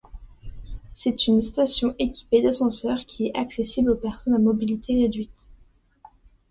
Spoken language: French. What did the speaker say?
C'est une station, équipée d'ascenseurs, qui est accessible aux personnes à mobilité réduite.